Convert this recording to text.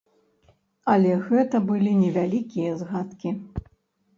Але гэта былі невялікія згадкі.